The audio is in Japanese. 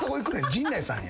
陣内さんや。